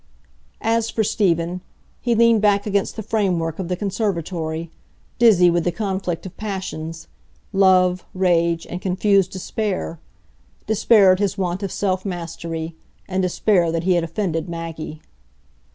As for Stephen, he leaned back against the framework of the conservatory, dizzy with the conflict of passions,—love, rage, and confused despair; despair at his want of self mastery, and despair that he had offended Maggie.